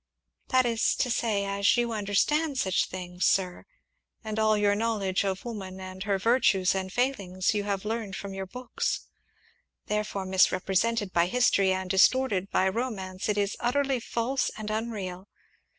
"That is to say as you understand such things, sir, and all your knowledge of woman, and her virtues and failings, you have learned from your books, therefore, misrepresented by history, and distorted by romance, it is utterly false and unreal.